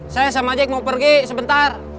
saya sama jack mau pergi sebentar